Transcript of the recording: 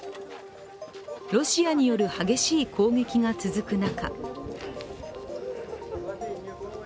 ロシアによる激しい攻撃が続く中